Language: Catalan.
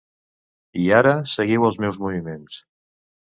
I ara, seguiu els meus moviments.